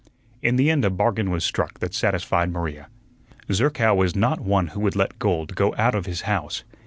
In the end a bargain was struck that satisfied Maria. Zerkow was not one who would let gold go out of his house.